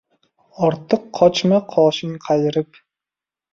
Ortiq qochma qoshing qayirib.